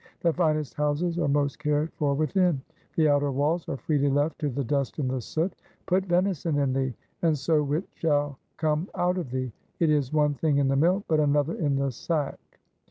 The finest houses are most cared for within; the outer walls are freely left to the dust and the soot. Put venison in thee, and so wit shall come out of thee. It is one thing in the mill, but another in the sack.